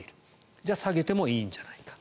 じゃあ下げてもいいんじゃないか。